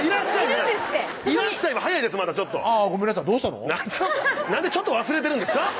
なんでちょっと忘れてるんですか？